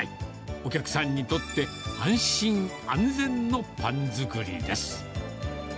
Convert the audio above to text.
お客さんにとって、安心安全のパン作りです。